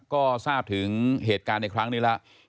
ก็ทราบถึงเหตุการณ์ในครั้งนี้แล้ว